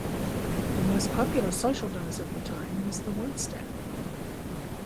The most popular social dance of the time was the One-Step.